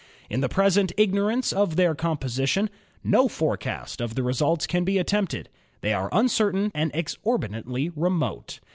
In the present ignorance of their composition, no forecast of the results can be attempted; they are uncertain and ex orbitantly remote.